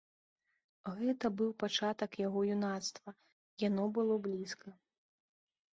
Гэта быў пачатак яго юнацтва, яно было блізка.